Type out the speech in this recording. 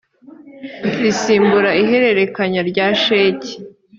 risimbura ihererekanya rya sheki